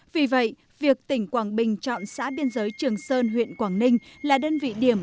vì vậy việc tỉnh quảng bình chọn xã biên giới trường sơn huyện quảng ninh là đơn vị điểm